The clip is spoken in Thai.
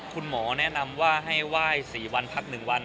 คุณหมอแนะนำว่าให้ไหว้๔วันพัก๑วัน